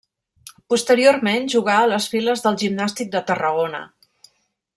Posteriorment jugà a les files del Gimnàstic de Tarragona.